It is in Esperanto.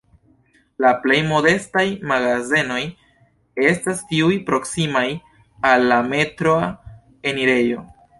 La plej modestaj magazenoj estas tiuj proksimaj al la metroa enirejo.